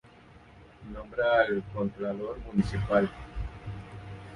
Nombra al "Contralor Municipal".